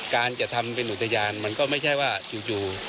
การจะทำเป็นอุทยานมันก็ไม่ใช่ว่าจู่